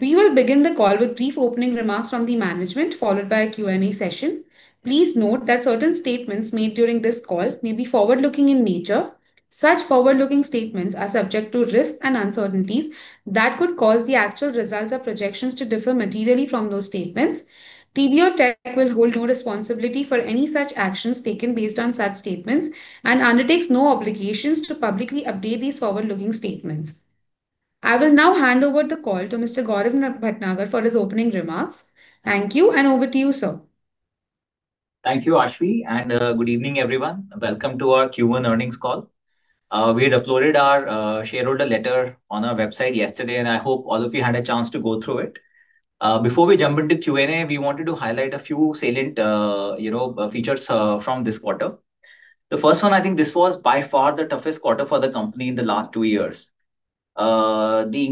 We will begin the call with brief opening remarks from the management, followed by a Q&A session. Please note that certain statements made during this call may be forward-looking in nature. Such forward-looking statements are subject to risks and uncertainties that could cause the actual results or projections to differ materially from those statements. TBO Tek will hold no responsibility for any such actions taken based on such statements and undertakes no obligations to publicly update these forward-looking statements. I will now hand over the call to Mr. Gaurav Bhatnagar for his opening remarks. Thank you, and over to you, sir. Thank you, Aashvi, and good evening, everyone. Welcome to our Q1 earnings call. We had uploaded our shareholder letter on our website yesterday, and I hope all of you had a chance to go through it. Before we jump into Q&A, we wanted to highlight a few salient features from this quarter. The first one, I think this was by far the toughest quarter for the company in the last two years. The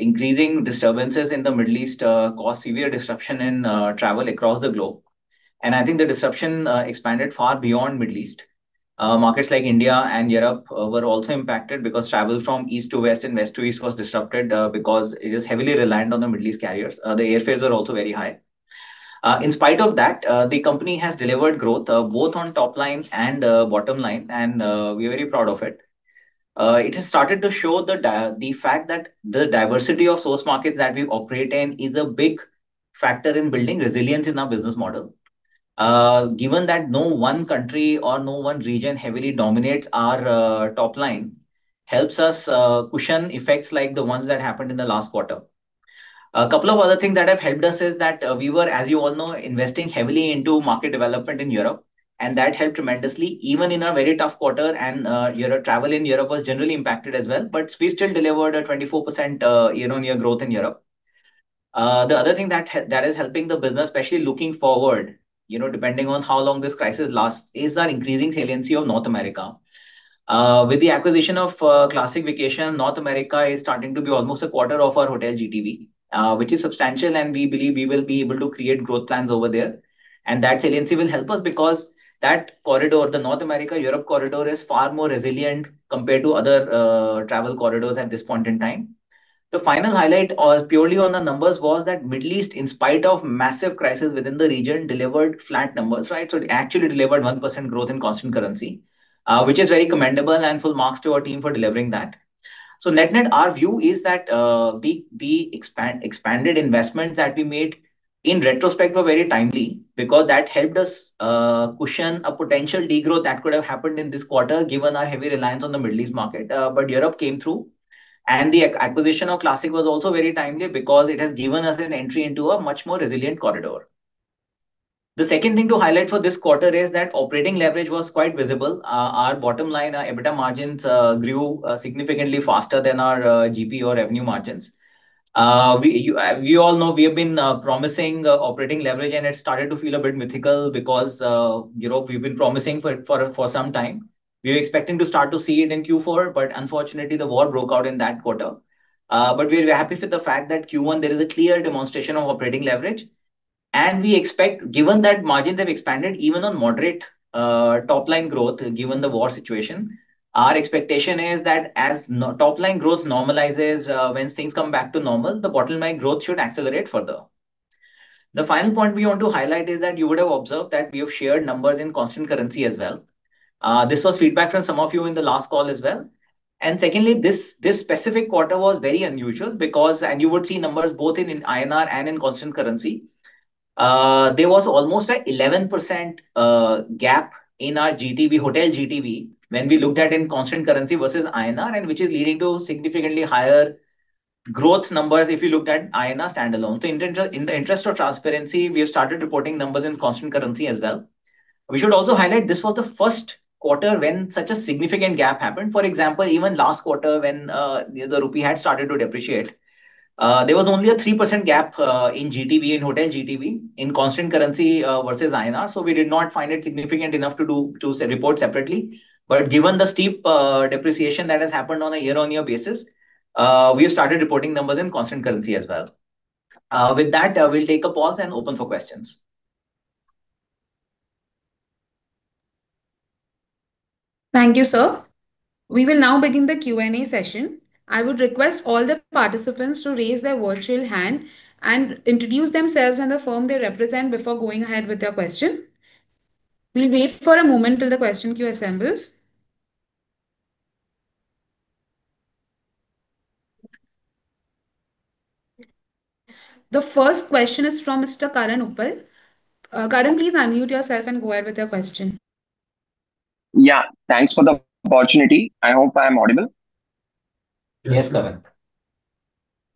increasing disturbances in the Middle East caused severe disruption in travel across the globe, and I think the disruption expanded far beyond Middle East. Markets like India and Europe were also impacted because travel from East to West and West to East was disrupted because it is heavily reliant on the Middle East carriers. The airfares were also very high. In spite of that, the company has delivered growth both on top line and bottom line, and we're very proud of it. It has started to show the fact that the diversity of source markets that we operate in is a big factor in building resilience in our business model. Given that no one country or no one region heavily dominates our top line helps us cushion effects like the ones that happened in the last quarter. A couple of other things that have helped us is that we were, as you all know, investing heavily into market development in Europe, and that helped tremendously even in a very tough quarter. Travel in Europe was generally impacted as well, but we still delivered a 24% year-on-year growth in Europe. The other thing that is helping the business, especially looking forward, depending on how long this crisis lasts, is our increasing saliency of North America. With the acquisition of Classic Vacations, North America is starting to be almost a quarter of our hotel GTV which is substantial, and we believe we will be able to create growth plans over there. That saliency will help us because that corridor, the North America-Europe corridor, is far more resilient compared to other travel corridors at this point in time. The final highlight purely on the numbers was that Middle East, in spite of massive crisis within the region, delivered flat numbers. It actually delivered 1% growth in constant currency which is very commendable and full marks to our team for delivering that. Net net, our view is that the expanded investments that we made in retrospect were very timely because that helped us cushion a potential degrowth that could have happened in this quarter given our heavy reliance on the Middle East market. Europe came through, the acquisition of Classic was also very timely because it has given us an entry into a much more resilient corridor. The second thing to highlight for this quarter is that operating leverage was quite visible. Our bottom line EBITDA margins grew significantly faster than our GP or revenue margins. You all know we have been promising operating leverage, it started to feel a bit mythical because we've been promising for some time. We were expecting to start to see it in Q4, unfortunately, the war broke out in that quarter. We're happy with the fact that Q1, there is a clear demonstration of operating leverage, we expect given that margins have expanded even on moderate top-line growth given the war situation, our expectation is that as top-line growth normalizes when things come back to normal, the bottom-line growth should accelerate further. The final point we want to highlight is that you would have observed that we have shared numbers in constant currency as well. This was feedback from some of you in the last call as well. Secondly, this specific quarter was very unusual because you would see numbers both in INR and in constant currency. There was almost an 11% gap in our hotel GTV when we looked at in constant currency versus INR, which is leading to significantly higher growth numbers if you looked at INR standalone. In the interest of transparency, we have started reporting numbers in constant currency as well. We should also highlight this was the first quarter when such a significant gap happened. For example, even last quarter when the rupee had started to depreciate, there was only a 3% gap in GTV, in hotel GTV, in constant currency versus INR. We did not find it significant enough to report separately. Given the steep depreciation that has happened on a year-on-year basis, we have started reporting numbers in constant currency as well. With that, we'll take a pause and open for questions. Thank you, sir. We will now begin the Q&A session. I would request all the participants to raise their virtual hand and introduce themselves and the firm they represent before going ahead with their question. We'll wait for a moment till the question queue assembles. The first question is from Mr. Karan Uppal. Karan, please unmute yourself and go ahead with your question. Yeah, thanks for the opportunity. I hope I'm audible? Yes, Karan.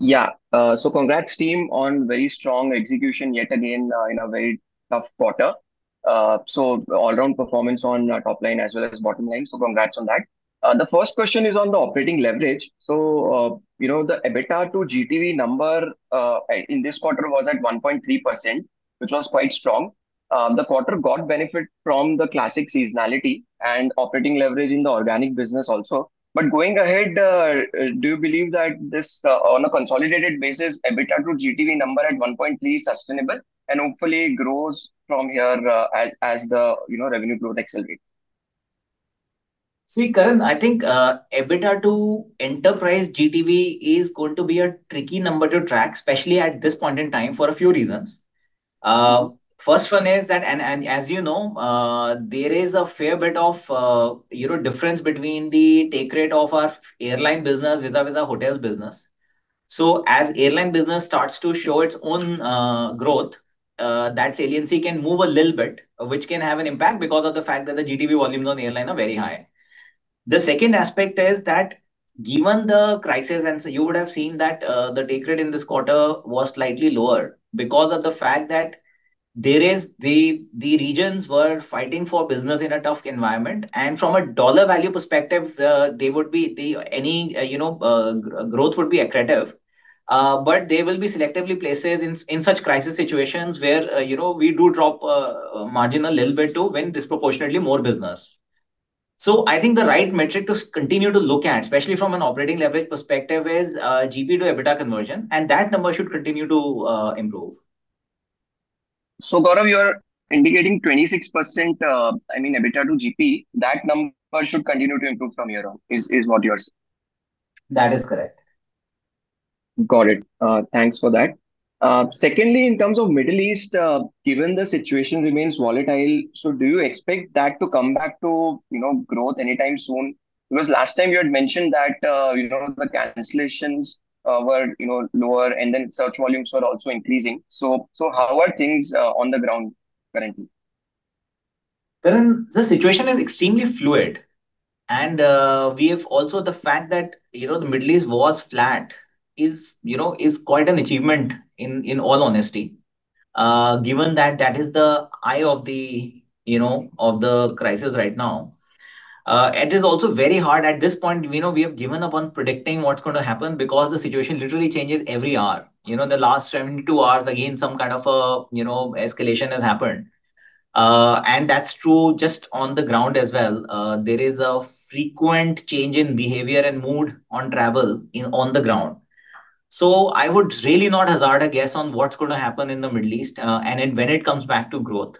Yeah. Congrats team on very strong execution yet again in a very tough quarter. All-round performance on top line as well as bottom line, so congrats on that. The first question is on the operating leverage. The EBITDA to GTV number in this quarter was at 1.3%, which was quite strong. The quarter got benefit from the Classic seasonality and operating leverage in the organic business also. Going ahead, do you believe that this on a consolidated basis, EBITDA to GTV number at 1.3% is sustainable and hopefully grows from here as the revenue growth accelerates? See, Karan, I think, EBITDA to enterprise GTV is going to be a tricky number to track, especially at this point in time, for a few reasons. First one is that, as you know, there is a fair bit of difference between the take rate of our airline business vis-a-vis our hotels business. As airline business starts to show its own growth, that saliency can move a little bit, which can have an impact because of the fact that the GTV volumes on airline are very high. The second aspect is that given the crisis, you would have seen that the take rate in this quarter was slightly lower because of the fact that the regions were fighting for business in a tough environment, and from a dollar value perspective, any growth would be accretive. There will be selectively places in such crisis situations where we do drop margin a little bit to win disproportionately more business. I think the right metric to continue to look at, especially from an operating leverage perspective, is GP to EBITDA conversion, and that number should continue to improve. Gaurav, you are indicating 26%, I mean, EBITDA to GP. That number should continue to improve from here on, is what you are saying? That is correct. Got it. Thanks for that. Secondly, in terms of Middle East, given the situation remains volatile, do you expect that to come back to growth anytime soon? Last time you had mentioned that the cancellations were lower and then search volumes were also increasing. How are things on the ground currently? Karan, the situation is extremely fluid. Also the fact that the Middle East was flat is quite an achievement in all honesty, given that that is the eye of the crisis right now. It is also very hard at this point, we have given up on predicting what's going to happen because the situation literally changes every hour. The last 72 hours, again, some kind of a escalation has happened. That's true just on the ground as well. There is a frequent change in behavior and mood on travel on the ground. I would really not hazard a guess on what's going to happen in the Middle East, and when it comes back to growth.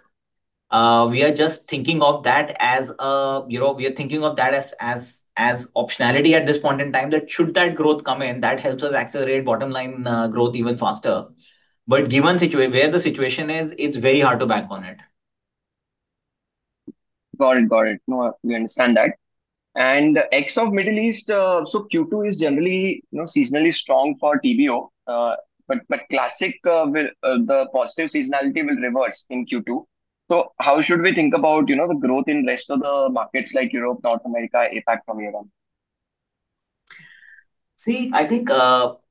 We are thinking of that as optionality at this point in time, that should that growth come in, that helps us accelerate bottom-line growth even faster. Given where the situation is, it's very hard to bank on it. Got it. No, we understand that. X of Middle East, Q2 is generally seasonally strong for TBO. Classic, the positive seasonality will reverse in Q2. How should we think about the growth in rest of the markets like Europe, North America, APAC from here on?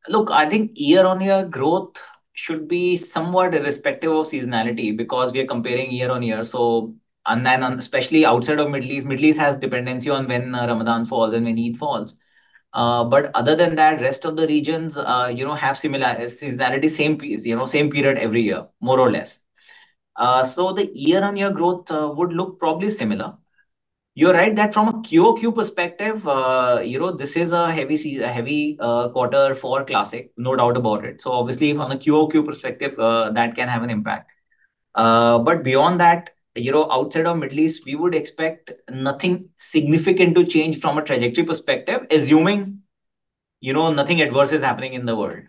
Look, I think year-on-year growth should be somewhat irrespective of seasonality because we are comparing year-on-year. Then especially outside of Middle East, Middle East has dependency on when Ramadan falls and when Eid falls. Other than that, rest of the regions have similarity, seasonality same period every year, more or less. The year-on-year growth would look probably similar. You're right that from a QOQ perspective, this is a heavy quarter for Classic, no doubt about it. Obviously from a QOQ perspective, that can have an impact. Beyond that, outside of Middle East, we would expect nothing significant to change from a trajectory perspective, assuming nothing adverse is happening in the world.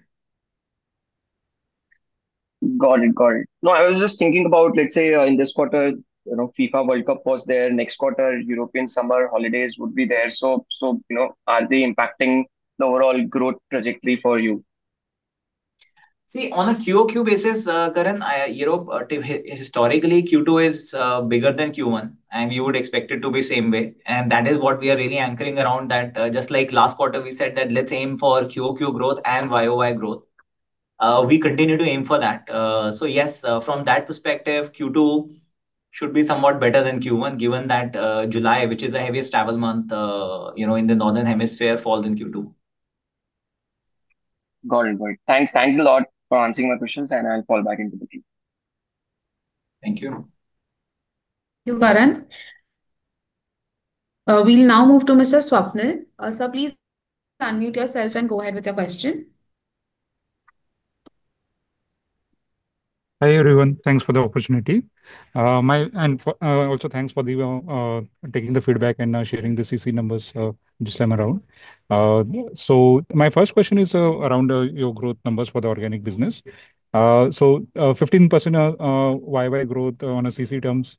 Got it. No, I was just thinking about, let's say, in this quarter, FIFA World Cup was there, next quarter European summer holidays would be there. Are they impacting the overall growth trajectory for you? On a QOQ basis, Karan, historically Q2 is bigger than Q1, and we would expect it to be same way. That is what we are really anchoring around that just like last quarter, we said that let's aim for QOQ growth and YOY growth. We continue to aim for that. Yes, from that perspective, Q2 should be somewhat better than Q1 given that July, which is the heaviest travel month in the Northern Hemisphere, falls in Q2. Got it. Thanks a lot for answering my questions, and I'll fall back into the queue. Thank you. Thank you, Karan. We'll now move to Mr. Swapnil. Sir, please unmute yourself and go ahead with your question. Hi, everyone. Thanks for the opportunity. Also thanks for taking the feedback and sharing the CC numbers this time around. My first question is around your growth numbers for the organic business. 15% YOY growth on a CC terms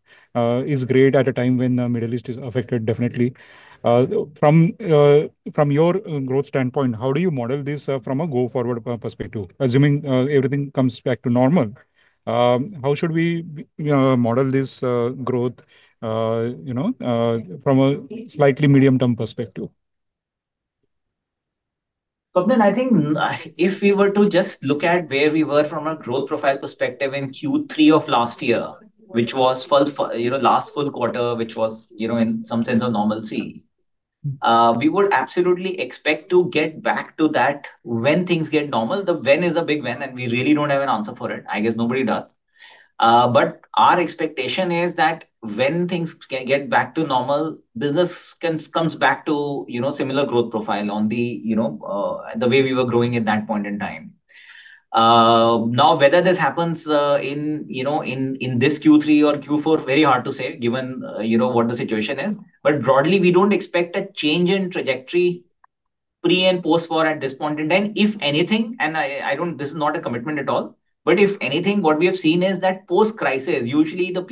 is great at a time when the Middle East is affected definitely. From your growth standpoint, how do you model this from a go-forward perspective? Assuming everything comes back to normal, how should we model this growth from a slightly medium-term perspective? Swapnil, I think if we were to just look at where we were from a growth profile perspective in Q3 of last year, last full quarter which was in some sense of normalcy. We would absolutely expect to get back to that when things get normal. The when is a big when, and we really don't have an answer for it. I guess nobody does. Our expectation is that when things get back to normal, business comes back to similar growth profile on the way we were growing at that point in time. Now, whether this happens in this Q3 or Q4, very hard to say given what the situation is. Broadly, we don't expect a change in trajectory pre and post-war at this point in time. If anything, and this is not a commitment at all, but if anything, what we have seen is that post-crisis, usually the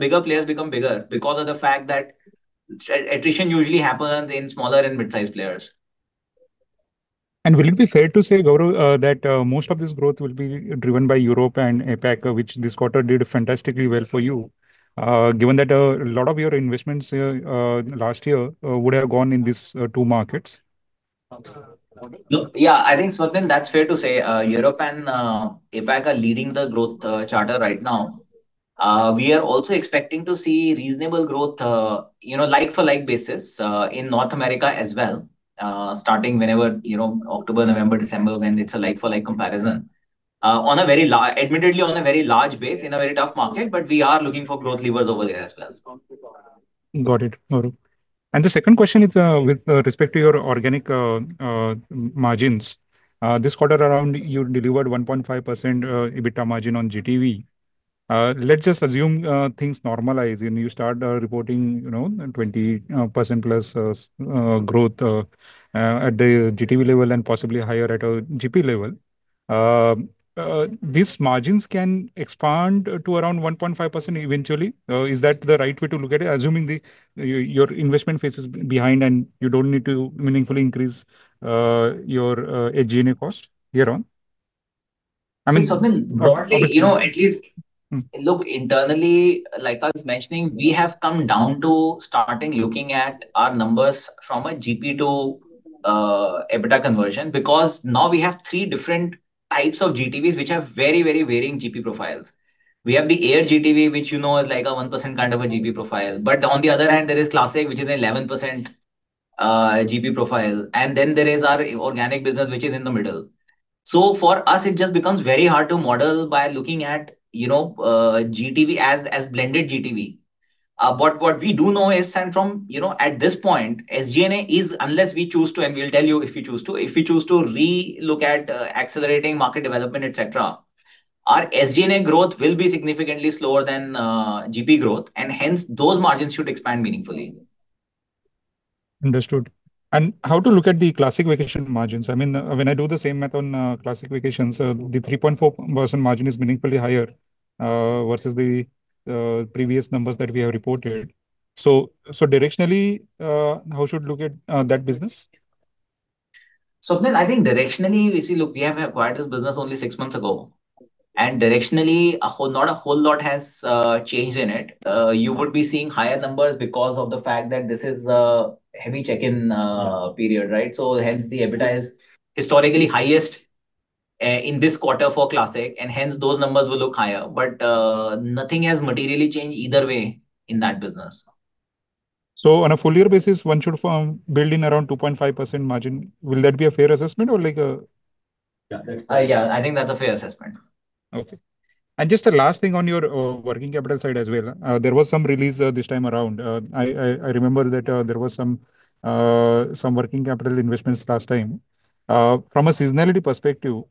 bigger players become bigger because of the fact that attrition usually happens in smaller and mid-size players. Will it be fair to say, Gaurav, that most of this growth will be driven by Europe and APAC, which this quarter did fantastically well for you, given that a lot of your investments last year would have gone in these two markets? Yeah, I think, Swapnil, that's fair to say. Europe and APAC are leading the growth charter right now. We are also expecting to see reasonable growth, like for like basis, in North America as well, starting whenever October, November, December, when it's a like for like comparison. Admittedly, on a very large base in a very tough market, but we are looking for growth levers over there as well. Got it, Gaurav. The second question is with respect to your organic margins. This quarter around you delivered 1.5% EBITDA margin on GTV. Let's just assume things normalize and you start reporting 20%+ growth at the GTV level and possibly higher at a GP level. These margins can expand to around 1.5% eventually. Is that the right way to look at it, assuming your investment phase is behind and you don't need to meaningfully increase your SG&A cost here on? See, Swapnil. Go ahead. Broadly, at least, internally, like I was mentioning, we have come down to starting looking at our numbers from a GP to EBITDA conversion, because now we have three different types of GTVs which have very varying GP profiles. We have the air GTV, which you know is like a 1% kind of a GP profile. On the other hand, there is Classic, which is an 11% GP profile, and then there is our organic business, which is in the middle. For us, it just becomes very hard to model by looking at GTV as blended GTV. What we do know is, at this point, SG&A is, unless we choose to, and we will tell you if we choose to. If we choose to relook at accelerating market development, et cetera, our SG&A growth will be significantly slower than GP growth, hence, those margins should expand meaningfully. Understood. How to look at the Classic Vacations margins? When I do the same math on Classic Vacations, the 3.4% margin is meaningfully higher versus the previous numbers that we have reported. Directionally, how should we look at that business? Swapnil, I think directionally, we see, look, we have acquired this business only six months ago. Directionally, not a whole lot has changed in it. You would be seeing higher numbers because of the fact that this is a heavy check-in period, right? Hence, the EBITDA is historically highest, in this quarter for Classic, and hence, those numbers will look higher. Nothing has materially changed either way in that business. On a full year basis, one should build in around 2.5% margin. Will that be a fair assessment? Yeah, that's. Yeah, I think that's a fair assessment. Okay. Just a last thing on your working capital side as well. There was some release this time around. I remember that there was some working capital investments last time. From a seasonality perspective,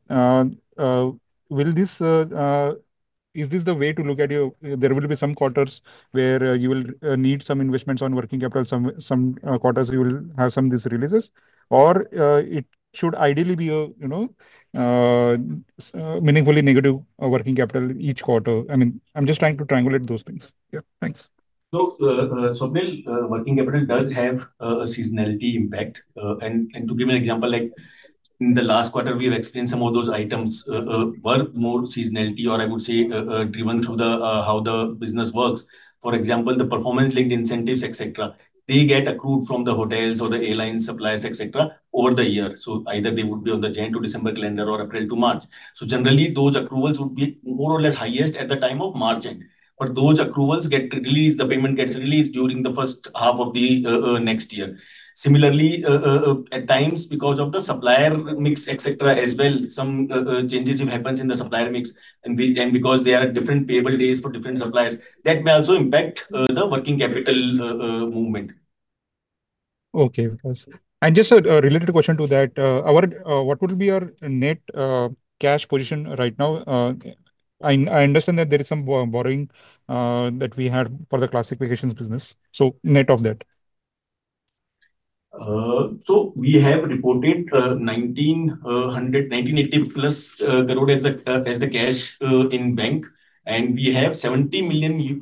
is this the way to look at your? There will be some quarters where you will need some investments on working capital, some quarters you will have some of these releases. It should ideally be meaningfully negative working capital each quarter. I'm just trying to triangulate those things. Yeah, thanks. Look, Swapnil, working capital does have a seasonality impact. To give you an example, in the last quarter, we have explained some of those items were more seasonality or I would say driven through how the business works. For example, the performance-linked incentives, et cetera, they get accrued from the hotels or the airline suppliers, et cetera, over the year. Either they would be on the Jan to December calendar or April to March. Generally, those accruals would be more or less highest at the time of margin. Those accruals get released, the payment gets released during the first half of the next year. Similarly, at times, because of the supplier mix, et cetera, as well, some changes have happened in the supplier mix. Because there are different payable days for different suppliers, that may also impact the working capital movement. Okay, Vikas. Just a related question to that, what would be your net cash position right now? I understand that there is some borrowing that we had for the Classic Vacations business. Net of that. We have reported 1,980+ crore as the cash in bank, we have $70 million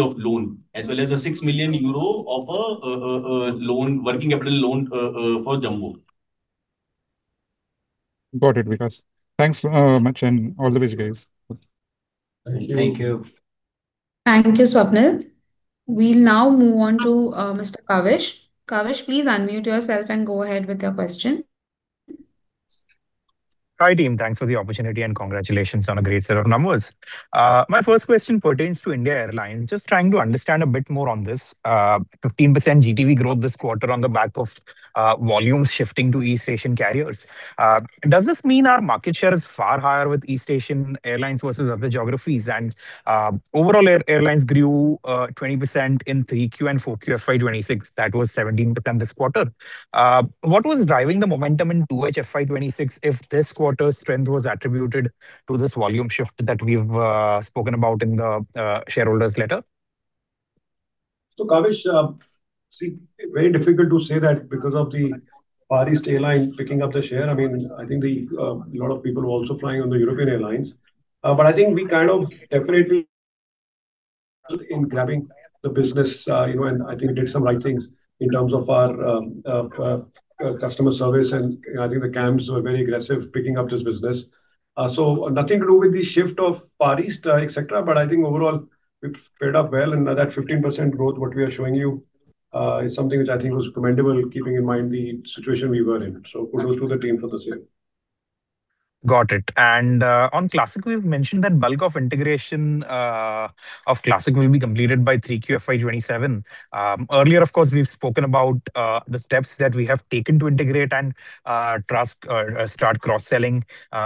of loan as well as a 6 million euro of a working capital loan for Jambo. Got it, Vikas. Thanks very much. All the best, guys. Thank you. Thank you. Thank you, Swapnil. We'll now move on to Mr. Kavish. Kavish, please unmute yourself and go ahead with your question. Hi, team. Thanks for the opportunity, and congratulations on a great set of numbers. My first question pertains to India airline. Just trying to understand a bit more on this 15% GTV growth this quarter on the back of volumes shifting to East Asian carriers. Does this mean our market share is far higher with East Asian airlines versus other geographies? Overall, airlines grew 20% in 3Q and 4Q FY 2026. That was 17% this quarter. What was driving the momentum in 2H FY 2026 if this quarter's strength was attributed to this volume shift that we've spoken about in the shareholders' letter? Kavish, see, very difficult to say that because of the Far East airline picking up the share. I think a lot of people were also flying on the European airlines. I think we kind of definitely in grabbing the business, and I think we did some right things in terms of our customer service, and I think the CAMs were very aggressive picking up this business. Nothing to do with the shift of Far East, et cetera, but I think overall we've fared up well and that 15% growth, what we are showing you, is something which I think was commendable keeping in mind the situation we were in. Kudos to the team for the same. Got it. On Classic, we've mentioned that bulk of integration of Classic will be completed by 3Q FY 2027. Earlier, of course, we've spoken about the steps that we have taken to integrate and start cross-selling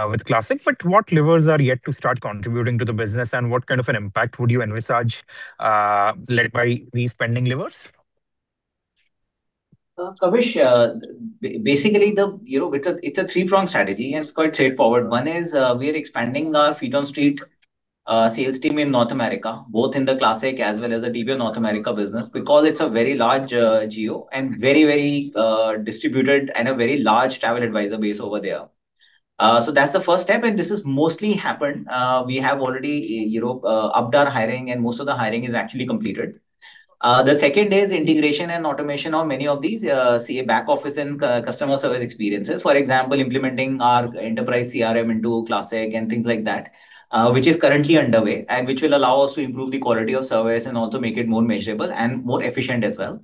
with Classic. What levers are yet to start contributing to the business, and what kind of an impact would you envisage led by these pending levers? Kavish, basically, it's a three-pronged strategy, and it's quite straightforward. One is we are expanding our feet on street sales team in North America, both in the Classic as well as the TBO North America business because it's a very large geo and very distributed, and a very large travel advisor base over there. That's the first step, and this has mostly happened. We have already upped our hiring and most of the hiring is actually completed. The second is integration and automation of many of these Classic back office and customer service experiences. For example, implementing our enterprise CRM into Classic and things like that which is currently underway and which will allow us to improve the quality of service and also make it more measurable and more efficient as well.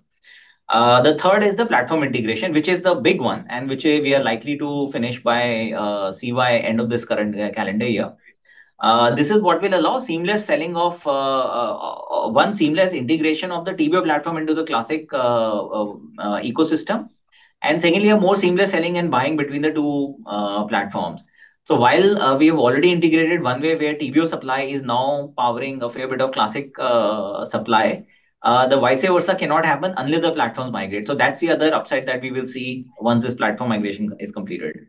The third is the platform integration, which is the big one, and which we are likely to finish by end of this current calendar year. This is what will allow one seamless integration of the TBO platform into the Classic ecosystem. Secondly, a more seamless selling and buying between the two platforms. While we have already integrated one way where TBO supply is now powering a fair bit of Classic supply, the vice versa cannot happen unless the platforms migrate. That's the other upside that we will see once this platform migration is completed.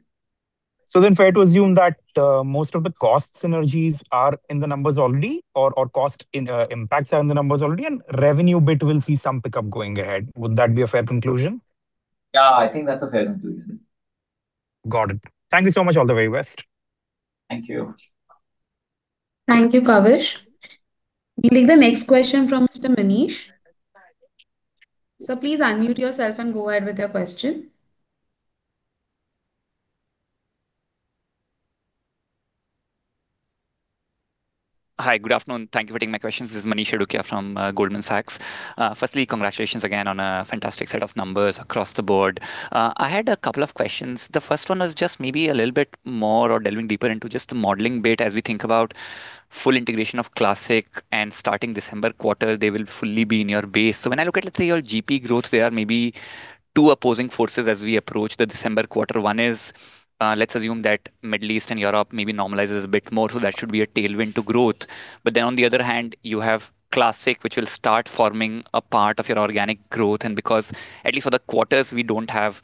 Fair to assume that most of the cost synergies are in the numbers already, or cost impacts are in the numbers already and revenue bit will see some pickup going ahead. Would that be a fair conclusion? Yeah, I think that's a fair conclusion. Got it. Thank you so much all the way west. Thank you. Thank you, Kavish. We'll take the next question from Mr. Manish. Sir, please unmute yourself and go ahead with your question. Hi. Good afternoon. Thank you for taking my questions. This is Manish Adukia from Goldman Sachs. Firstly, congratulations again on a fantastic set of numbers across the board. I had a couple of questions. The first one was just maybe a little bit more or delving deeper into just the modeling bit as we think about full integration of Classic and starting December quarter they will fully be in your base. When I look at, let’s say, your GP growth there, maybe two opposing forces as we approach the December quarter. One is, let’s assume that Middle East and Europe maybe normalizes a bit more, so that should be a tailwind to growth. On the other hand, you have Classic, which will start forming a part of your organic growth. Because at least for the quarters we don't have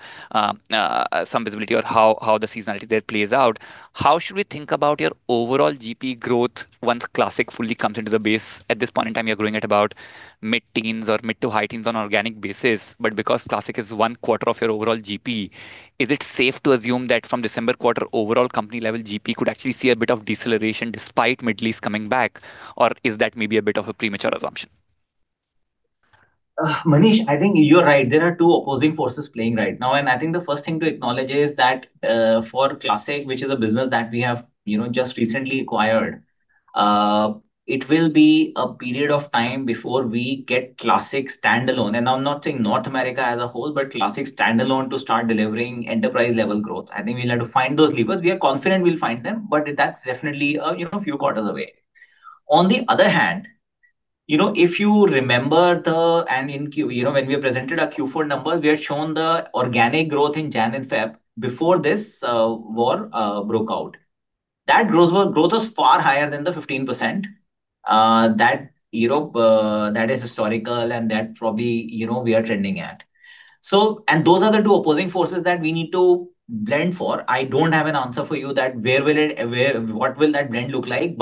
some visibility on how the seasonality there plays out, how should we think about your overall GP growth once Classic fully comes into the base? At this point in time, you're growing at about mid-teens or mid to high teens on organic basis. Because Classic is one quarter of your overall GP, is it safe to assume that from December quarter overall company level GP could actually see a bit of deceleration despite Middle East coming back? Or is that maybe a bit of a premature assumption? Manish, I think you are right. There are two opposing forces playing right now. I think the first thing to acknowledge is that for Classic, which is a business that we have just recently acquired, it will be a period of time before we get Classic standalone. I am not saying North America as a whole, but Classic standalone to start delivering enterprise level growth. I think we will have to find those levers. We are confident we will find them, but that is definitely a few quarters away. On the other hand, if you remember when we presented our Q4 numbers, we had shown the organic growth in Jan and Feb before this war broke out. That growth was far higher than the 15% that is historical and that probably we are trending at. Those are the two opposing forces that we need to blend for. I do not have an answer for you that what will that blend look like.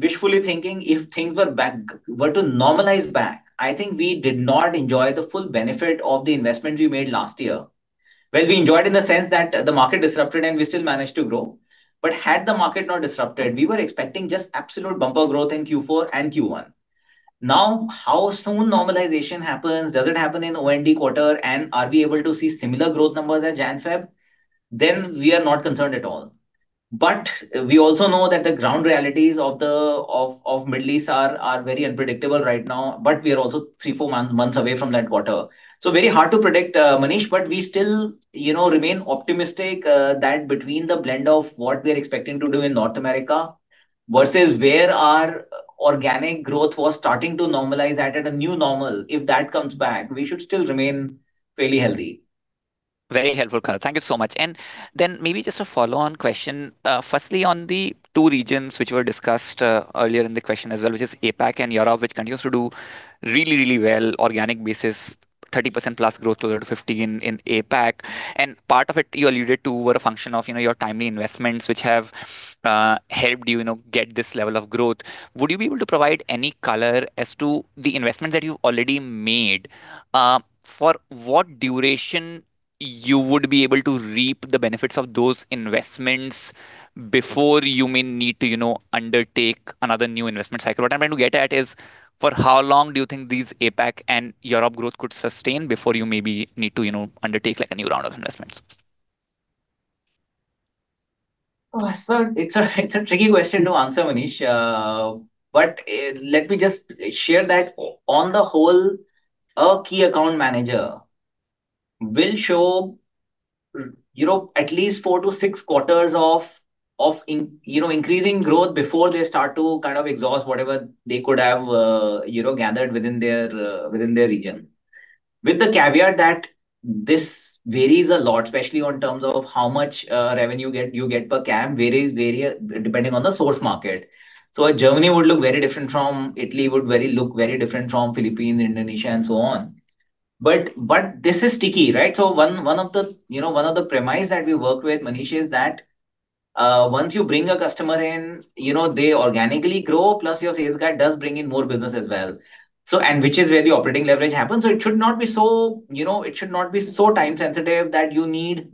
Wishfully thinking, if things were to normalize back, I think we did not enjoy the full benefit of the investment we made last year. Well, we enjoyed in the sense that the market disrupted and we still managed to grow. Had the market not disrupted, we were expecting just absolute bumper growth in Q4 and Q1. How soon normalization happens? Does it happen in O&D quarter? Are we able to see similar growth numbers at Jan, Feb? We are not concerned at all. We also know that the ground realities of Middle East are very unpredictable right now, but we are also three, four months away from that quarter. Very hard to predict, Manish, we still remain optimistic that between the blend of what we are expecting to do in North America versus where our organic growth was starting to normalize at a new normal. If that comes back, we should still remain fairly healthy. Very helpful, Gaurav. Thank you so much. Then maybe just a follow-on question. Firstly, on the two regions which were discussed earlier in the question as well, which is APAC and Europe, which continues to do really well. Organic basis, 30%+ growth, [50] in APAC. Part of it you alluded to were a function of your timely investments, which have helped you get this level of growth. Would you be able to provide any color as to the investment that you already made? For what duration you would be able to reap the benefits of those investments before you may need to undertake another new investment cycle? What I am trying to get at is, for how long do you think these APAC and Europe growth could sustain before you maybe need to undertake a new round of investments? It's a tricky question to answer, Manish. Let me just share that on the whole, a key account manager will show at least four to six quarters of increasing growth before they start to kind of exhaust whatever they could have gathered within their region. With the caveat that this varies a lot, especially on terms of how much revenue you get per CAM, varies depending on the source market. Germany would look very different from Italy, would look very different from Philippines, Indonesia, and so on. This is sticky, right? One of the premise that we work with, Manish, is that once you bring a customer in, they organically grow, plus your sales guy does bring in more business as well. Which is where the operating leverage happens. It should not be so time sensitive that you need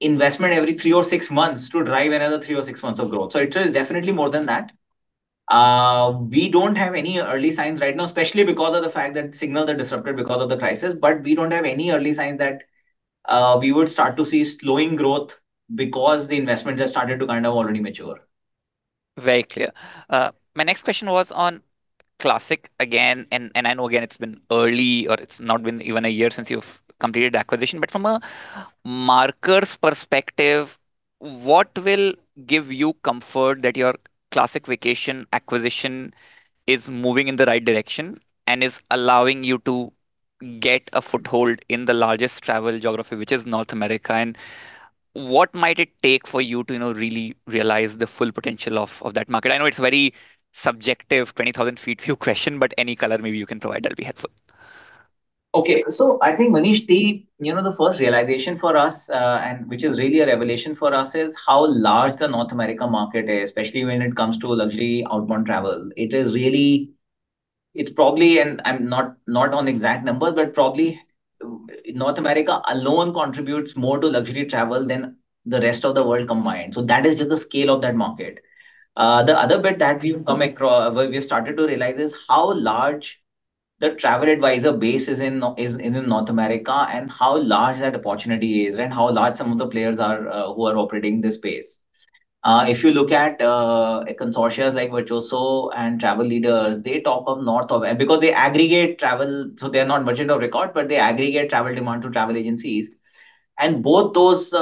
investment every three or six months to drive another three or six months of growth. It is definitely more than that. We don't have any early signs right now, especially because of the fact that signals are disrupted because of the crisis. We don't have any early signs that we would start to see slowing growth because the investments have started to kind of already mature. Very clear. My next question was on Classic again. I know, again, it's been early or it's not been even a year since you've completed the acquisition. From a marker's perspective, what will give you comfort that your Classic Vacations acquisition is moving in the right direction and is allowing you to get a foothold in the largest travel geography, which is North America? What might it take for you to really realize the full potential of that market? I know it's very subjective, 20,000 ft view question, but any color maybe you can provide that'll be helpful. Okay. I think, Manish, the first realization for us, and which is really a revelation for us, is how large the North America market is, especially when it comes to luxury outbound travel. It's probably, I'm not on exact numbers, but probably North America alone contributes more to luxury travel than the rest of the world combined. That is just the scale of that market. The other bit that we've started to realize is how large the travel advisor base is in North America and how large that opportunity is, and how large some of the players are who are operating this space. If you look at consortias like Virtuoso and Travel Leaders, they top up north of Because they aggregate travel, they're not merchant of record, but they aggregate travel demand to travel agencies. Both those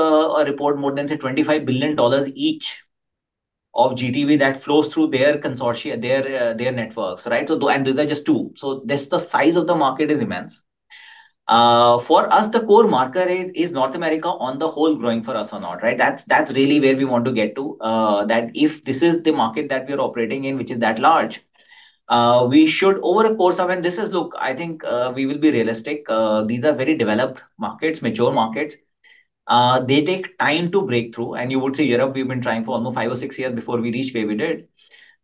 report more than, say, $25 billion each of GTV that flows through their consortia, their networks, right? Those are just two. Just the size of the market is immense. For us, the core marker is North America on the whole growing for us or not, right? That's really where we want to get to. If this is the market that we are operating in, which is that large, we should over a course of— This is, look, I think we will be realistic. These are very developed markets, mature markets. They take time to break through. You would say Europe, we've been trying for almost five or six years before we reached where we did.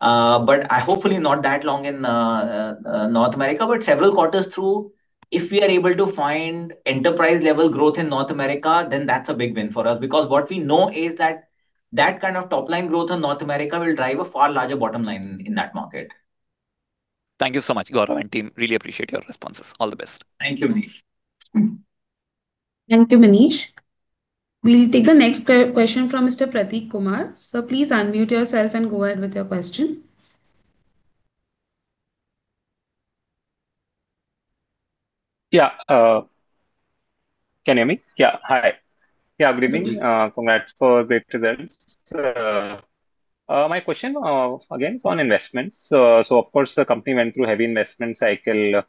Hopefully not that long in North America. Several quarters through, if we are able to find enterprise-level growth in North America, then that's a big win for us. What we know is that that kind of top-line growth in North America will drive a far larger bottom line in that market. Thank you so much, Gaurav and team. Really appreciate your responses. All the best. Thank you, Manish. Thank you, Manish. We'll take the next question from Mr. Prateek Kumar. Sir, please unmute yourself and go ahead with your question. Can you hear me? Hi. Good evening. Congrats for great results. My question, again, is on investments. Of course, the company went through heavy investment cycle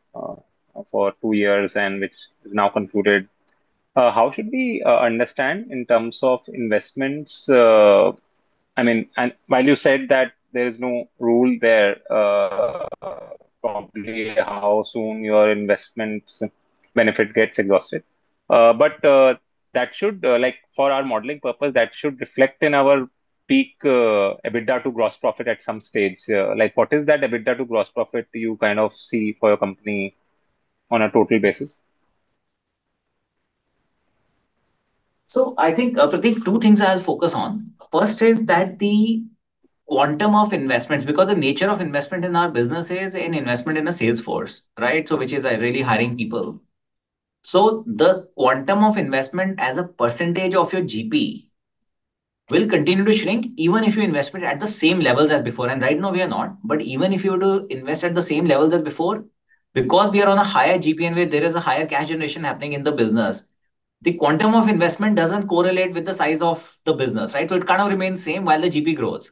for two years, and which is now concluded. How should we understand in terms of investments? While you said that there's no rule there, probably how soon your investments benefit gets exhausted. For our modeling purpose, that should reflect in our peak EBITDA to gross profit at some stage. What is that EBITDA to gross profit you kind of see for your company on a total basis? I think, Prateek, two things I'll focus on. First is that the quantum of investments, because the nature of investment in our business is an investment in a sales force, right? Which is really hiring people. The quantum of investment as a percentage of your GP will continue to shrink even if you investment at the same levels as before. Right now we are not. Even if you were to invest at the same levels as before, because we are on a higher GP and where there is a higher cash generation happening in the business, the quantum of investment doesn't correlate with the size of the business, right? It kind of remains same while the GP grows.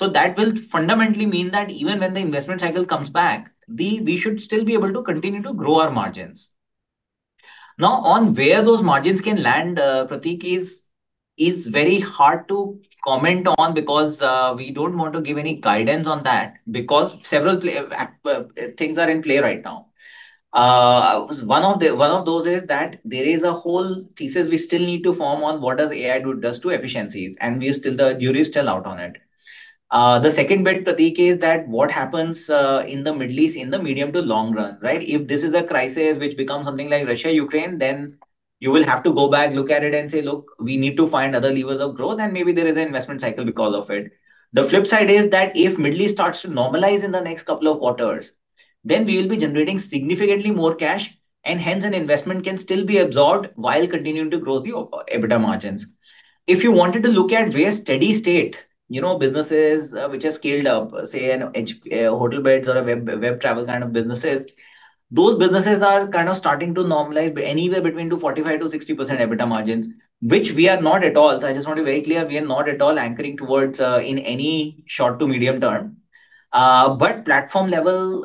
That will fundamentally mean that even when the investment cycle comes back, we should still be able to continue to grow our margins. Now, on where those margins can land, Prateek, is very hard to comment on because we don't want to give any guidance on that because several things are in play right now. One of those is that there is a whole thesis we still need to form on what does AI do, does to efficiencies, and the jury's still out on it. The second bit, Prateek, is that what happens in the Middle East in the medium to long run, right? If this is a crisis which becomes something like Russia-Ukraine, then you will have to go back, look at it, and say, "Look, we need to find other levers of growth, and maybe there is an investment cycle because of it." The flip side is that if Middle East starts to normalize in the next couple of quarters, then we will be generating significantly more cash, and hence an investment can still be absorbed while continuing to grow the EBITDA margins. If you wanted to look at where steady state businesses which are scaled up, say, Hotelbeds or Web travel kind of businesses, those businesses are kind of starting to normalize anywhere between to 45%-60% EBITDA margins, which we are not at all. I just want to be very clear, we are not at all anchoring towards in any short to medium term. Platform level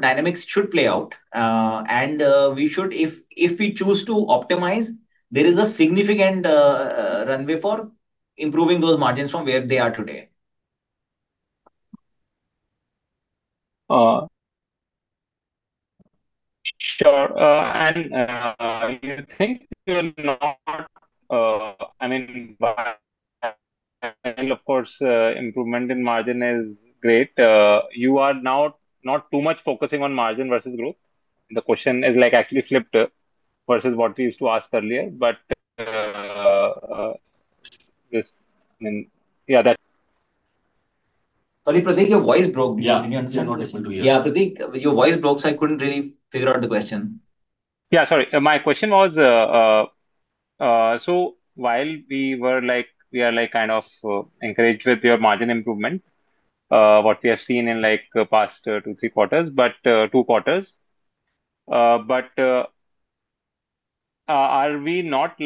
dynamics should play out. If we choose to optimize, there is a significant runway for improving those margins from where they are today. Sure. You think you're not an environment and, of course, improvement in margin is great. You are now not too much focusing on margin versus growth. The question is actually flipped versus what we used to ask earlier. Sorry, Prateek, your voice broke. Yeah. Can you understand what I said to you? Yeah, Prateek, your voice broke, so I couldn't really figure out the question. Yeah, sorry. My question was, while we are kind of encouraged with your margin improvement, what we have seen in past two, three quarters, but two quarters. Are we not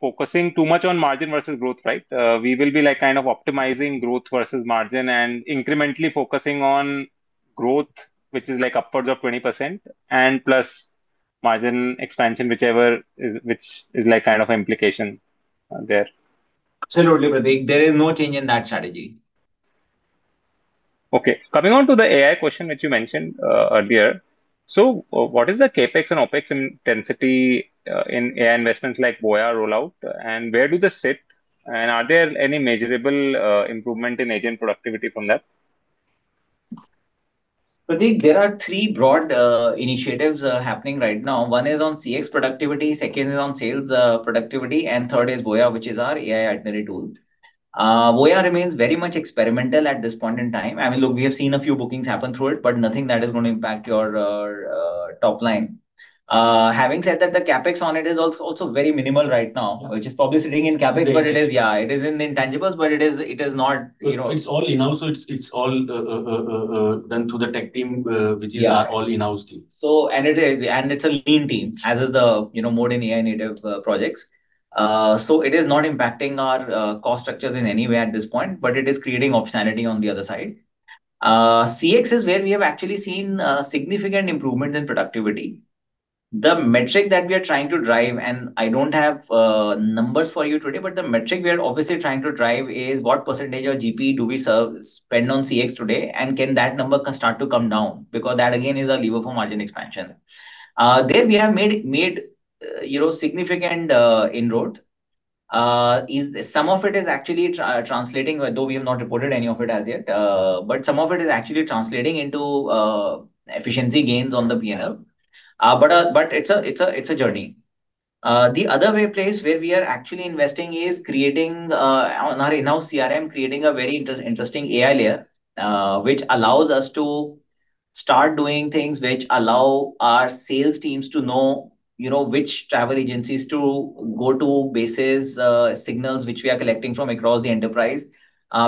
focusing too much on margin versus growth, right? We will be kind of optimizing growth versus margin and incrementally focusing on growth, which is upwards of 20%, and plus margin expansion, whichever, which is kind of implication there. Absolutely, Prateek. There is no change in that strategy. Okay. Coming on to the AI question which you mentioned earlier. What is the CapEx and OpEx intensity in AI investments like Voya rollout, and where do they sit? Are there any measurable improvement in agent productivity from that? Prateek, there are three broad initiatives happening right now. One is on CX productivity, second is on sales productivity, third is Voya, which is our AI itinerary tool. Voya remains very much experimental at this point in time. Look, we have seen a few bookings happen through it, but nothing that is going to impact your top line. Having said that, the CapEx on it is also very minimal right now. Which is probably sitting in CapEx. It is. Yeah, it is in intangibles. It's all in-house, it's all done through the tech team our all in-house team. Yeah. It's a lean team, as is the modern AI native projects. It is not impacting our cost structures in any way at this point, but it is creating optionality on the other side. CX is where we have actually seen a significant improvement in productivity. The metric that we are trying to drive, and I don't have numbers for you today, but the metric we are obviously trying to drive is what percentage of GP do we spend on CX today, and can that number start to come down? Because that, again, is a lever for margin expansion. There we have made significant inroads. Some of it is actually translating, although we have not reported any of it as yet. Some of it is actually translating into efficiency gains on the P&L. It's a journey. The other place where we are actually investing is creating on our in-house CRM, creating a very interesting AI layer, which allows us to start doing things which allow our sales teams to know which travel agencies to go to, bases, signals which we are collecting from across the enterprise.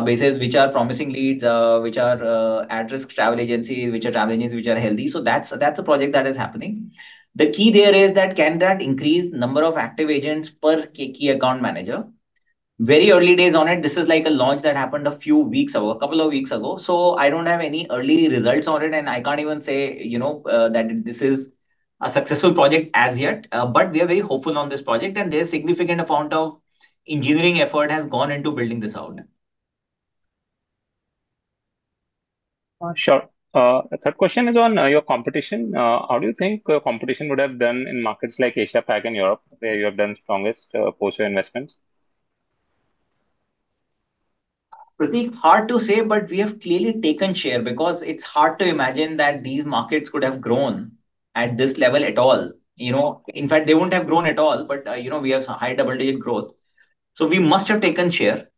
Bases which are promising leads, which are at-risk travel agencies, which are travel agencies which are healthy. That's a project that is happening. The key there is that can that increase number of active agents per key account manager? Very early days on it. This is like a launch that happened a couple of weeks ago. I don't have any early results on it, and I can't even say that this is a successful project as yet. We are very hopeful on this project, and there's significant amount of engineering effort has gone into building this out. Sure. Third question is on your competition. How do you think competition would have done in markets like Asia-Pac and Europe, where you have done strongest post your investments? Prateek, hard to say, but we have clearly taken share because it's hard to imagine that these markets could have grown at this level at all. In fact, they wouldn't have grown at all, but we have high double-digit growth. We must have taken share.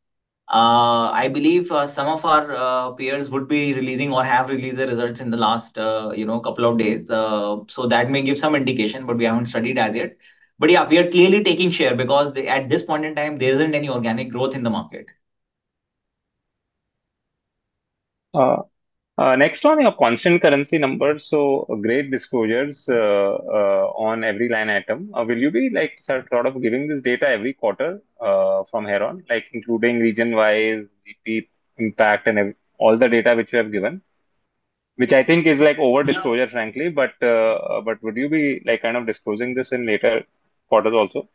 I believe some of our peers would be releasing or have released their results in the last couple of days. That may give some indication, but we haven't studied as yet. Yeah, we are clearly taking share because at this point in time, there isn't any organic growth in the market. Next on your constant currency numbers, great disclosures on every line item. Will you be thought of giving this data every quarter from here on, including region-wise GP impact and all the data which you have given? Which I think is over-disclosure, frankly. Would you be kind of disclosing this in later quarters also?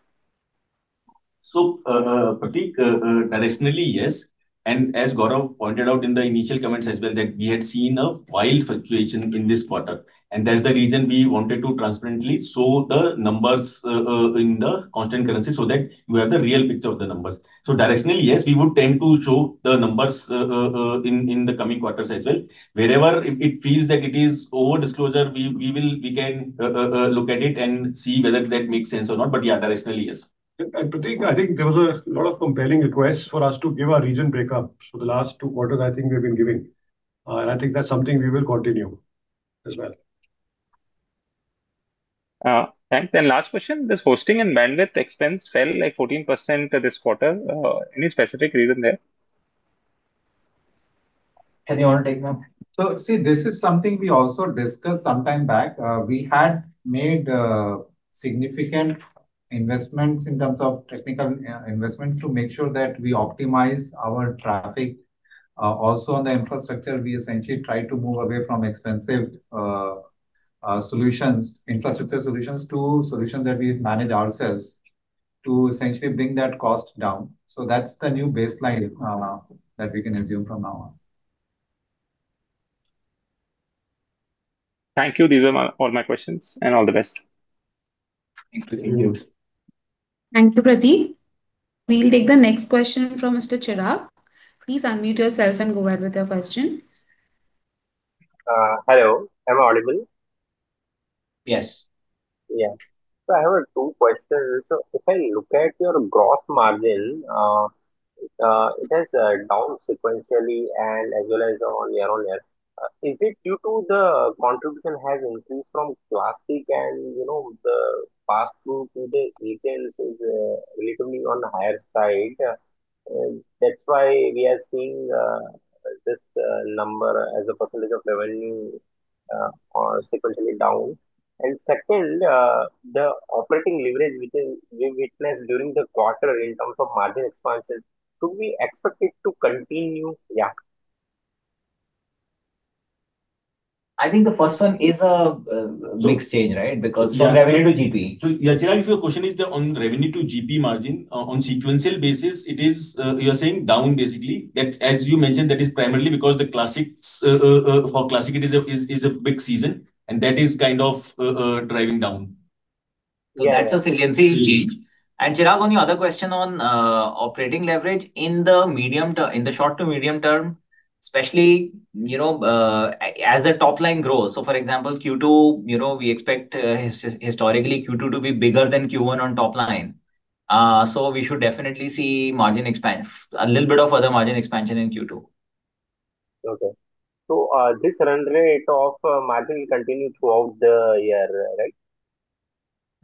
Prateek, directionally, yes, and as Gaurav pointed out in the initial comments as well, that we had seen a wild fluctuation in this quarter, and that's the reason we wanted to transparently show the numbers in the constant currency so that we have the real picture of the numbers. Directionally, yes, we would tend to show the numbers in the coming quarters as well. Wherever it feels that it is over-disclosure, we can look at it and see whether that makes sense or not. Yeah, directionally, yes. Prateek, I think there was a lot of compelling requests for us to give a region breakup. The last two quarters, I think we've been giving, and I think that's something we will continue as well. Thanks. Last question. This hosting and bandwidth expense fell like 14% this quarter. Any specific reason there? Anyone want to take that? See, this is something we also discussed some time back. We had made significant investments in terms of technical investments to make sure that we optimize our traffic. On the infrastructure, we essentially try to move away from expensive infrastructure solutions to solutions that we manage ourselves to essentially bring that cost down. That's the new baseline that we can assume from now on. Thank you. These are all my questions, and all the best. Thank you. Thank you, Prateek. We'll take the next question from Mr. Chirag. Please unmute yourself and go ahead with your question. Hello, am I audible? Yes. Yeah. I have two questions. If I look at your gross margin, it has down sequentially and as well as on year-on-year. Is it due to the contribution has increased from Classic and the pass-through to the retails is relatively on the higher side, that's why we are seeing this number as a percentage of revenue or sequentially down? Second, the operating leverage which we witnessed during the quarter in terms of margin expansion, should we expect it to continue? Yeah. I think the first one is a mix change, right? Because from revenue to GP. Yeah, Chirag, if your question is on revenue to GP margin. On sequential basis, you're saying down basically, that as you mentioned, that is primarily because for Classic it is a big season, and that is kind of driving down. That's a resiliency change. Chirag, on your other question on operating leverage. In the short to medium term, especially, as a top line growth, for example, Q2, we expect historically Q2 to be bigger than Q1 on top line. We should definitely see a little bit of further margin expansion in Q2. Okay. This run rate of margin will continue throughout the year, right?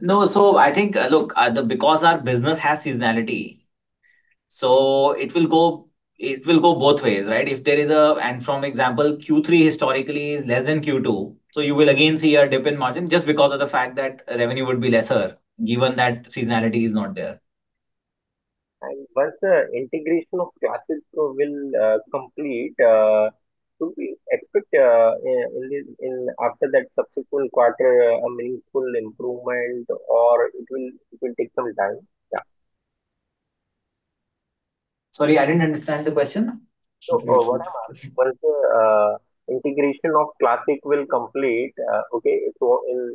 No. I think, look, because our business has seasonality, it will go both ways, right? For example, Q3 historically is less than Q2, you will again see a dip in margin just because of the fact that revenue would be lesser, given that seasonality is not there. Once the integration of Classic will complete, should we expect after that subsequent quarter a meaningful improvement or it will take some time? Yeah. Sorry, I didn't understand the question. What I'm asking, once the integration of Classic will complete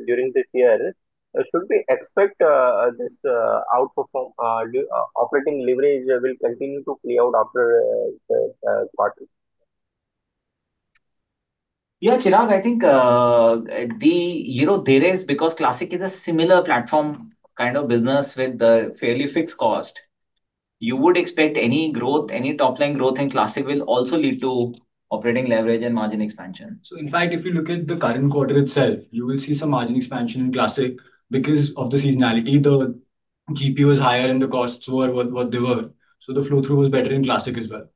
during this year, should we expect this operating leverage will continue to play out after the quarter? Yeah, Chirag, I think, because Classic is a similar platform kind of business with a fairly fixed cost, you would expect any top-line growth in Classic will also lead to operating leverage and margin expansion. In fact, if you look at the current quarter itself, you will see some margin expansion in Classic. Because of the seasonality, the GP was higher and the costs were what they were. The flow-through was better in Classic as well.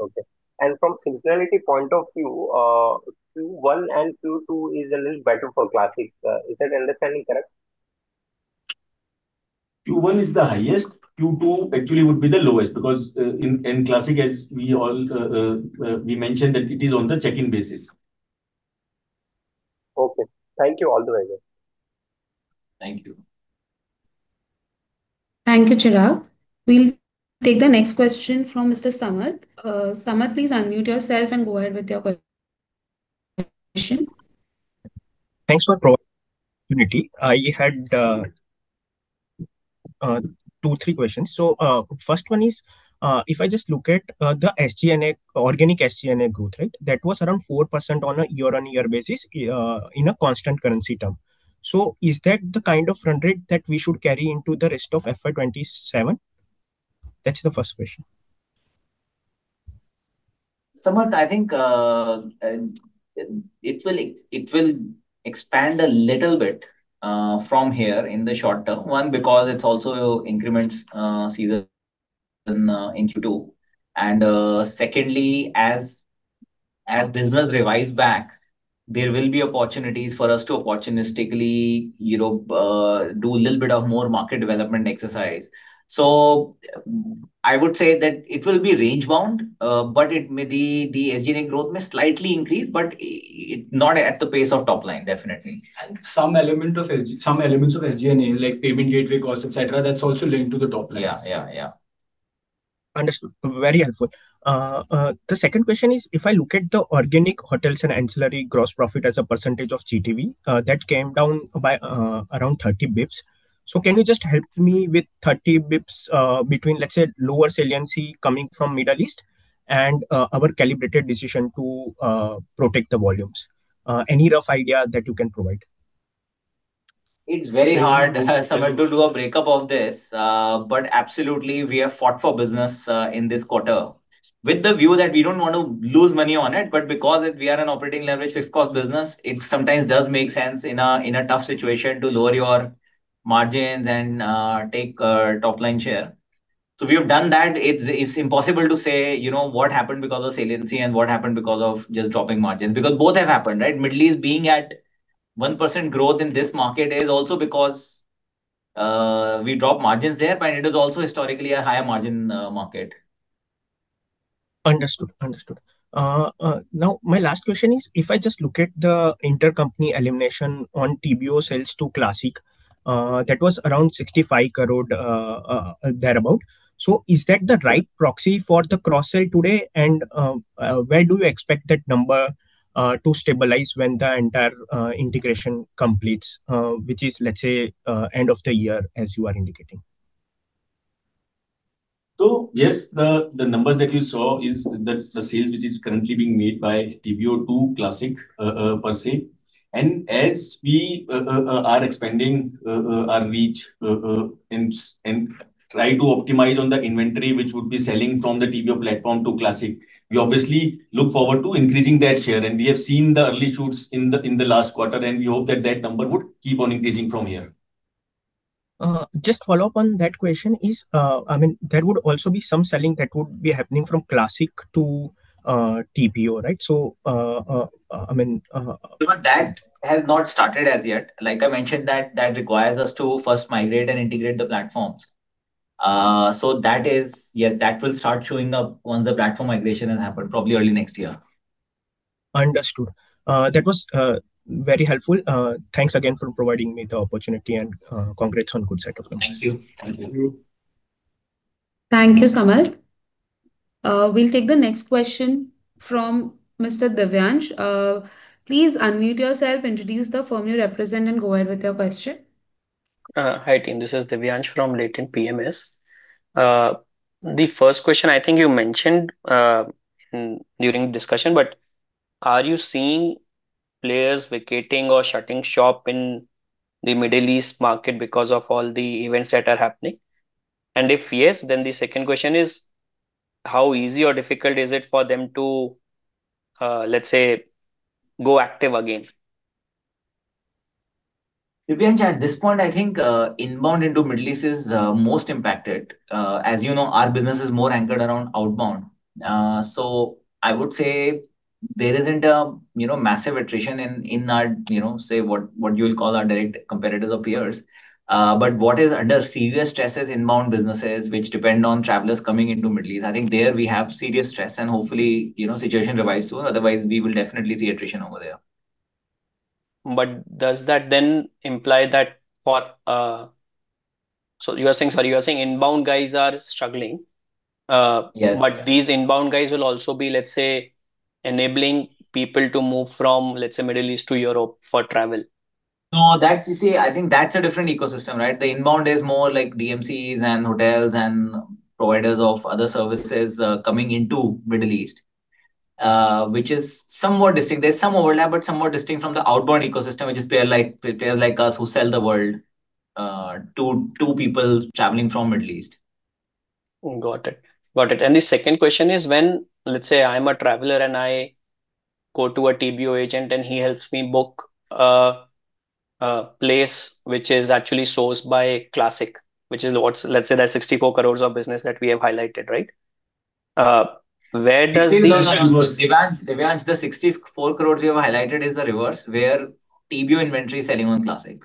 Okay. From seasonality point of view, Q1 and Q2 is a little better for Classic. Is that understanding correct? Q1 is the highest. Q2 actually would be the lowest because in Classic, as we mentioned, that it is on the check-in basis. Okay. Thank you. All the very best. Thank you. Thank you, Chirag. We'll take the next question from Mr. Samarth. Samarth, please unmute yourself and go ahead with your question. Thanks for providing the opportunity. I had two, three questions. First one is, if I just look at the organic SG&A growth, right? That was around 4% on a year-over-year basis in a constant currency term. Is that the kind of run rate that we should carry into the rest of FY 2027? That's the first question. Samarth, I think, it will expand a little bit from here in the short term. One, because it's also increments season in Q2. Secondly, as business revise back. There will be opportunities for us to opportunistically do a little bit of more market development exercise. I would say that it will be range-bound, but the SG&A growth may slightly increase, but not at the pace of top line, definitely. Some elements of SG&A, like payment gateway cost, et cetera, that's also linked to the top line. Yeah. Understood. Very helpful. The second question is, if I look at the organic hotels and ancillary gross profit as a percentage of GTV, that came down by around 30 basis points. Can you just help me with 30 basis points between, let's say, lower saliency coming from Middle East and our calibrated decision to protect the volumes? Any rough idea that you can provide? It's very hard, Samarth, to do a breakup of this. Absolutely, we have fought for business in this quarter with the view that we don't want to lose money on it, but because we are an operating leverage fixed cost business, it sometimes does make sense in a tough situation to lower your margins and take top line share. We have done that. It's impossible to say what happened because of saliency and what happened because of just dropping margins, because both have happened, right? Middle East being at 1% growth in this market is also because we drop margins there, but it is also historically a higher margin market. Understood. Now my last question is, if I just look at the intercompany elimination on TBO sales to Classic, that was around 65 crore thereabout. Is that the right proxy for the cross-sell today? Where do you expect that number to stabilize when the entire integration completes, which is, let's say, end of the year as you are indicating? Yes, the numbers that you saw is the sales which is currently being made by TBO to Classic per se. As we are expanding our reach and try to optimize on the inventory, which would be selling from the TBO platform to Classic, we obviously look forward to increasing that share. We have seen the early shoots in the last quarter, and we hope that that number would keep on increasing from here. Just follow up on that question is, there would also be some selling that would be happening from Classic to TBO, right? No, that has not started as yet. Like I mentioned that requires us to first migrate and integrate the platforms. Yes, that will start showing up once the platform migration has happened probably early next year. Understood. That was very helpful. Thanks again for providing me the opportunity and congrats on good set of numbers. Thank you. Thank you, Samarth. We'll take the next question from Mr. Divyansh. Please unmute yourself, introduce the firm you represent, and go ahead with your question. Hi, team. This is Divyansh from Latent PMS. The first question, I think you mentioned during discussion, are you seeing players vacating or shutting shop in the Middle East market because of all the events that are happening? If yes, the second question is how easy or difficult is it for them to, let's say, go active again? Divyansh, at this point, I think inbound into Middle East is most impacted. As you know, our business is more anchored around outbound. I would say there isn't a massive attrition in our, say what you'll call our direct competitors or peers. What is under serious stress is inbound businesses which depend on travelers coming into Middle East. I think there we have serious stress and hopefully, situation revise soon. Otherwise, we will definitely see attrition over there. Does that imply that you are saying inbound guys are struggling? Yes. These inbound guys will also be, let's say, enabling people to move from, let's say, Middle East to Europe for travel. No, you see, I think that's a different ecosystem, right? The inbound is more like DMCs and hotels and providers of other services coming into Middle East, which is somewhat distinct. There's some overlap, but somewhat distinct from the outbound ecosystem, which is players like us who sell the world to people traveling from Middle East. Got it. The second question is when, let's say, I'm a traveler and I go to a TBO agent and he helps me book a place which is actually sourced by Classic, which is what's, let's say that 64 crore of business that we have highlighted, right? Where does. No, Divyansh, the 64 crore you have highlighted is the reverse where TBO inventory is selling on Classic.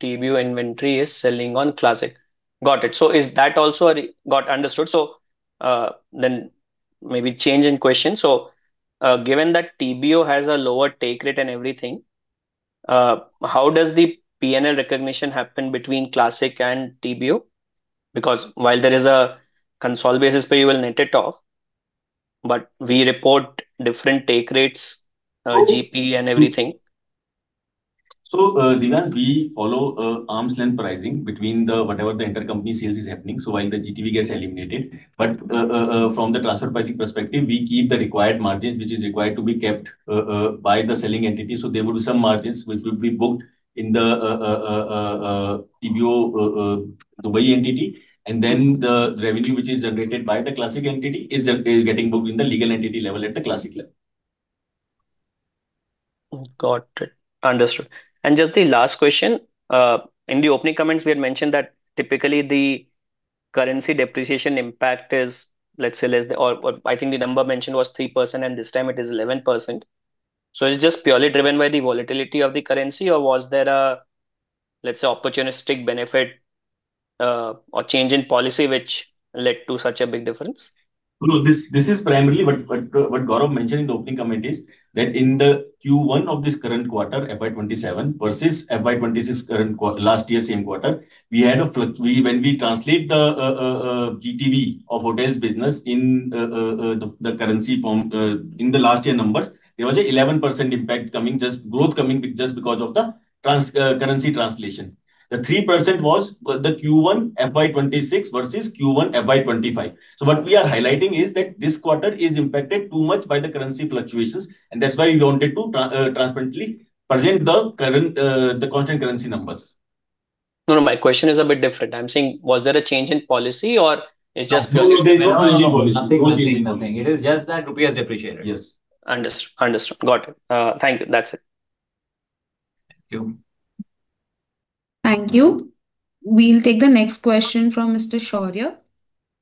TBO inventory is selling on Classic. Got it. Understood. Maybe change in question. Given that TBO has a lower take rate and everything, how does the P&L recognition happen between Classic and TBO? Because while there is a console basis where you will net it off, but we report different take rates, GP and everything. Divyansh, we follow arm's-length pricing between whatever the intercompany sales is happening, while the GTV gets eliminated. From the transfer pricing perspective, we keep the required margins which is required to be kept by the selling entity. There will be some margins which will be booked in the TBO Dubai entity, and then the revenue which is generated by the Classic entity is getting booked in the legal entity level at the Classic level. Got it. Understood. Just the last question. In the opening comments, we had mentioned that typically the currency depreciation impact is, let's say, less than or I think the number mentioned was 3%, and this time it is 11%. It's just purely driven by the volatility of the currency or was there a, let's say, opportunistic benefit, or change in policy which led to such a big difference? No. This is primarily what Gaurav mentioned in the opening comment is that in the Q1 of this current quarter, FY 2027 versus FY 2026 last year same quarter, when we translate the GTV of hotels business in the currency form in the last year numbers, there was 11% impact coming, growth coming just because of the currency translation. The 3% was the Q1 FY 2026 versus Q1 FY 2025. What we are highlighting is that this quarter is impacted too much by the currency fluctuations, and that's why we wanted to transparently present the constant currency numbers. No, no, my question is a bit different. I'm saying was there a change in policy or it's just? No, there's no change in policy. Nothing. It is just that rupee has depreciated. Yes. Understood. Got it. Thank you. That's it. Thank you. Thank you. We'll take the next question from Mr. Shaurya.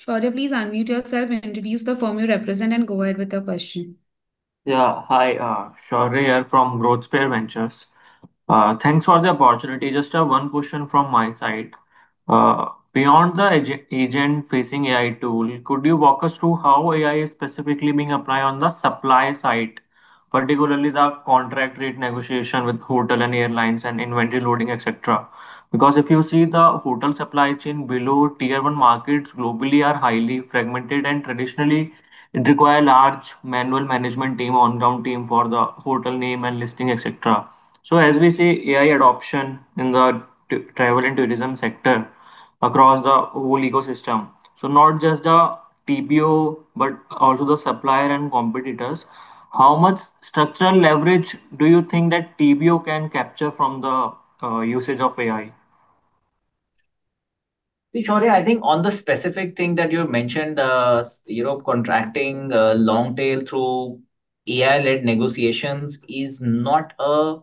Shaurya, please unmute yourself, introduce the firm you represent, and go ahead with your question. Yeah. Hi. Shaurya here from Growthsphere Ventures. Thanks for the opportunity. Just one question from my side. Beyond the agent-facing AI tool, could you walk us through how AI is specifically being applied on the supply side, particularly the contract rate negotiation with hotel and airlines and inventory loading, et cetera? Because if you see the hotel supply chain below tier 1 markets globally are highly fragmented and traditionally require large manual management team, on-ground team for the hotel name and listing, et cetera. As we see AI adoption in the travel and tourism sector across the whole ecosystem, not just the TBO, but also the supplier and competitors, how much structural leverage do you think that TBO can capture from the usage of AI? See, Shaurya, I think on the specific thing that you mentioned, contracting long tail through AI-led negotiations is not a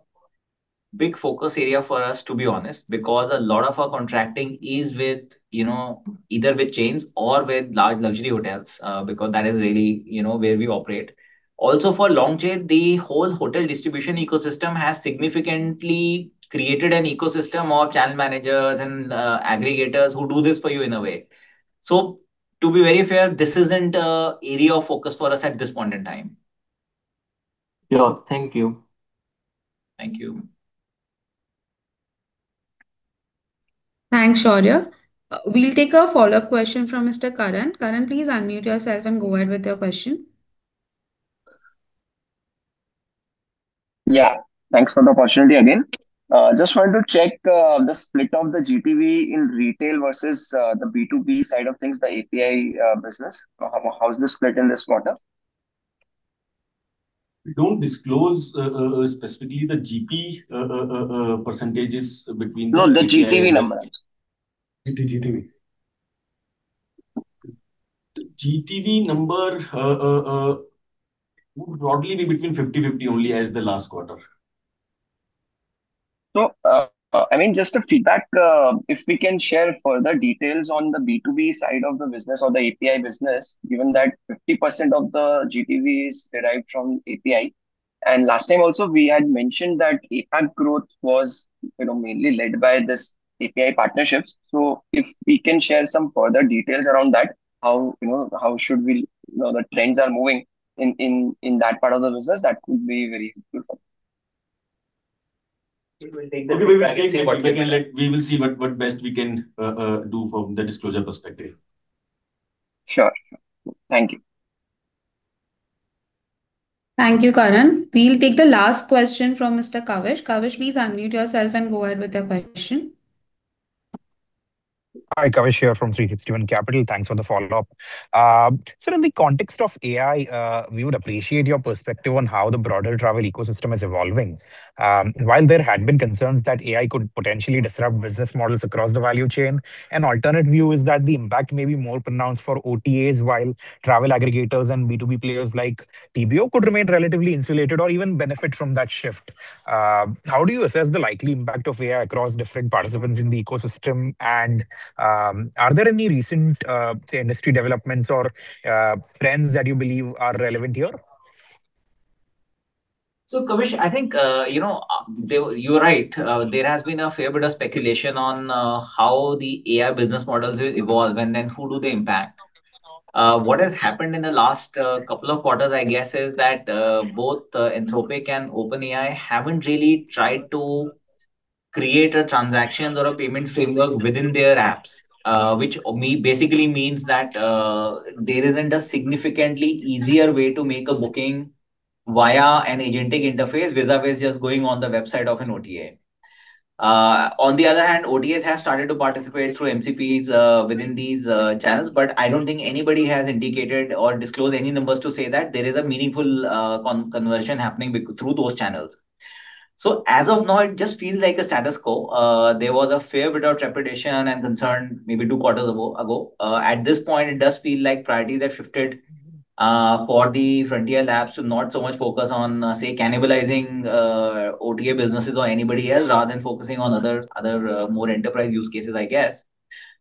big focus area for us, to be honest, because a lot of our contracting is either with chains or with large luxury hotels, because that is really where we operate. Also for long tail, the whole hotel distribution ecosystem has significantly created an ecosystem of channel managers and aggregators who do this for you in a way. To be very fair, this isn't a area of focus for us at this point in time. Yeah. Thank you. Thank you. Thanks, Shaurya. We'll take a follow-up question from Mr. Karan. Karan, please unmute yourself and go ahead with your question. Yeah. Thanks for the opportunity again. Just wanted to check the split of the GTV in retail versus the B2B side of things, the API business. How's the split in this quarter? We don't disclose specifically the GP percentages between. No, the GTV numbers. The GTV. The GTV number would broadly be between 50/50 only as the last quarter. Just a feedback. If we can share further details on the B2B side of the business or the API business, given that 50% of the GTV is derived from API. Last time also, we had mentioned that API growth was mainly led by this API partnerships. If we can share some further details around that, how the trends are moving in that part of the business, that would be very helpful for me. We will take. We will see what best we can do from the disclosure perspective. Sure. Thank you. Thank you, Karan. We'll take the last question from Mr. Kavish. Kavish, please unmute yourself and go ahead with your question. Hi, Kavish here from 360 ONE Capital. Thanks for the follow-up. Sir, in the context of AI, we would appreciate your perspective on how the broader travel ecosystem is evolving. While there had been concerns that AI could potentially disrupt business models across the value chain, an alternate view is that the impact may be more pronounced for OTAs, while travel aggregators and B2B players like TBO could remain relatively insulated or even benefit from that shift. How do you assess the likely impact of AI across different participants in the ecosystem? Are there any recent, say, industry developments or trends that you believe are relevant here? Kavish, I think you're right. There has been a fair bit of speculation on how the AI business models will evolve and then who do they impact. What has happened in the last couple of quarters, I guess, is that both Anthropic and OpenAI haven't really tried to create a transactions or a payments framework within their apps. Which basically means that there isn't a significantly easier way to make a booking via an agentic interface vis-a-vis just going on the website of an OTA. On the other hand, OTAs have started to participate through MCPs within these channels, but I don't think anybody has indicated or disclosed any numbers to say that there is a meaningful conversion happening through those channels. As of now, it just feels like a status quo. There was a fair bit of trepidation and concern maybe two quarters ago. At this point, it does feel like priorities have shifted for the frontier labs to not so much focus on, say, cannibalizing OTA businesses or anybody else rather than focusing on other more enterprise use cases, I guess.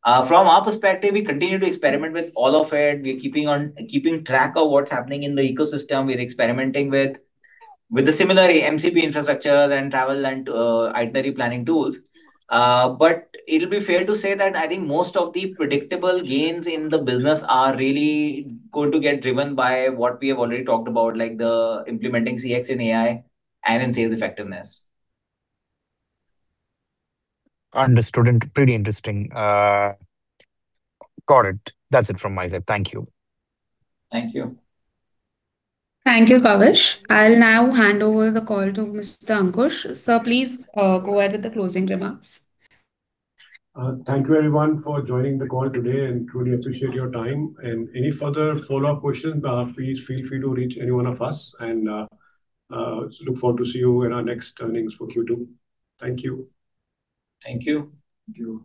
From our perspective, we continue to experiment with all of it. We're keeping track of what's happening in the ecosystem. We're experimenting with the similar MCP infrastructures and travel and itinerary planning tools. It'll be fair to say that I think most of the predictable gains in the business are really going to get driven by what we have already talked about, like the implementing CX in AI and in sales effectiveness. Understood. Pretty interesting. Got it. That's it from my side. Thank you. Thank you. Thank you, Kavish. I'll now hand over the call to Mr. Ankush. Sir, please go ahead with the closing remarks. Thank you everyone for joining the call today and truly appreciate your time. Any further follow-up questions, please feel free to reach any one of us and look forward to see you in our next earnings for Q2. Thank you. Thank you. Thank you.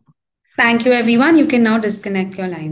Thank you, everyone. You can now disconnect your lines.